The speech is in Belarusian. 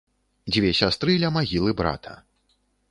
Дзве сястры ля магілы брата.